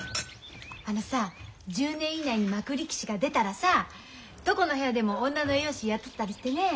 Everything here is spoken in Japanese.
あのさ１０年以内に幕力士が出たらさどこの部屋でも女の栄養士雇ったりしてねえ。